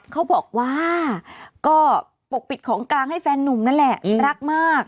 เขาบอกว่าก็ปกปิดของกลางให้แฟนนุ่มนั่นแหละรักมาก